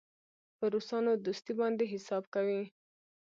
پر روسانو دوستي باندې حساب کوي.